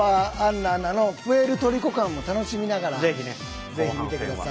奈アナのプエルトリコ感も楽しみながらぜひ見てください。